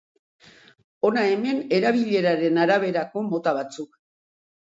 Hona hemen erabileraren araberako mota batzuk.